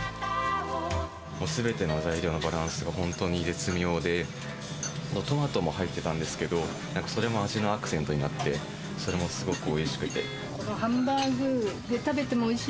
すべての材料のバランスが本当に絶妙で、トマトも入ってたんですけど、なんかそれも味のアクセントになって、それもすごくおハンバーグで食べてもおいし